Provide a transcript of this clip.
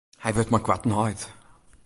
Hy wurdt mei koarten heit.